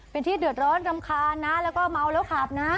เป็นที่เดือดร้อนรำคาญนะแล้วก็เมาแล้วขับนะ